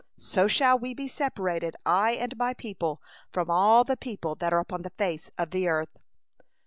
So shall we be separated, I and my people, from all the people that are upon the face of the earth.